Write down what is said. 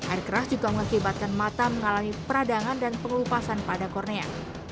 air keras juga mengakibatkan mata mengalami peradangan dan pengelupasan pada kornea